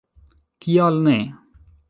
Kial ne!